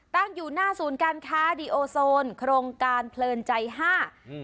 ตั้งอยู่หน้าศูนย์การค้าดีโอโซนโครงการเพลินใจห้าอืม